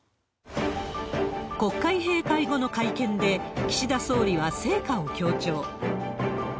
国会閉会後の会見で、岸田総理は成果を強調。